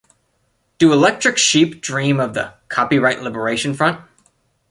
Do electric sheep dream of the "Kopyright Liberation Front"?